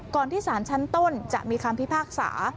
ที่สารชั้นต้นจะมีคำพิพากษา